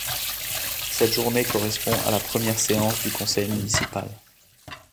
Cette journée correspond à la première séance du conseil municipal.